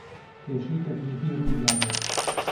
کێشەی تەکنیکی روویداوە